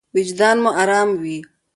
وجدان مو ارام وي.